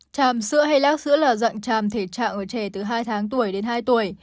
chàm sữa hay lác sữa là dặn chàm thể trạng ở trẻ từ hai tháng tuổi đến hai tuổi